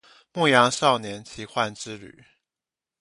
牧羊少年奇幻之旅